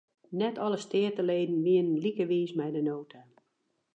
Net alle steateleden wienen like wiis mei de nota.